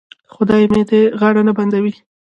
خدای مې دې غاړه نه بندوي.